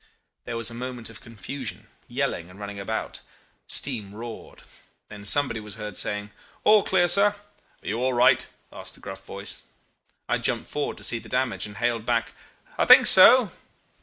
There was a moment of confusion, yelling, and running about. Steam roared. Then somebody was heard saying, 'All clear, sir.'... 'Are you all right?' asked the gruff voice. I had jumped forward to see the damage, and hailed back, 'I think so.